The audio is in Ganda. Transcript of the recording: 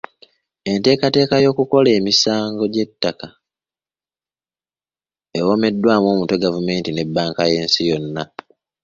Enteekateeka y'okukola ku misango gy'ettaka ewomeddwamu omutwe gavumenti ne bbanka y’ensi yonna.